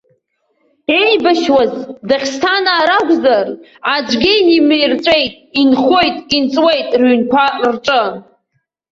Иеибашьуаз даӷьсҭанаа ракәзар, аӡәгьы инимырҵәеит, инхоит, инҵуеит рыҩнқәа рҿы.